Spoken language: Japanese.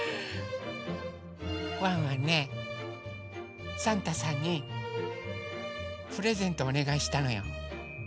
ワンワンねサンタさんにプレゼントおねがいしたのよ。